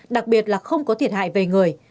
đặc biệt là không có thiệt hại về người